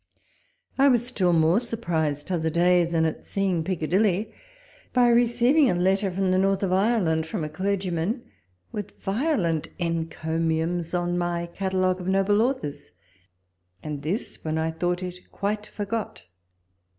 " I was still more surprised t'other day, than at seeing Piccadilly, by receiving a letter from the north of Ireland from a clergyman, with violent encomiums on ray " Catalogue of Noble Authors "—and this when I thought it quite forgot.